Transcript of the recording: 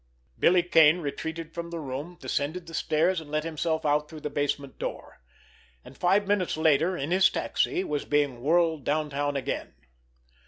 Billy Kane retreated from the room, descended the stairs, and let himself out through the basement door—and five minutes later, in his taxi, was being whirled downtown again.